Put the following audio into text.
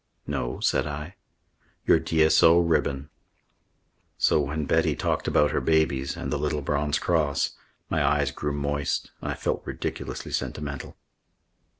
"No," said I. "Your D.S.O. ribbon." So when Betty talked about her babies and the little bronze cross, my eyes grew moist and I felt ridiculously sentimental.